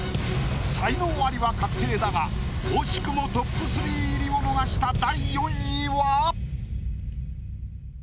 才能アリは確定だが惜しくもトップ３入りを逃した第４位は？